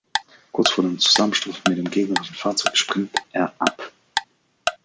Kurz vor dem Zusammenstoß mit dem gegnerischen Fahrzeug springt er ab.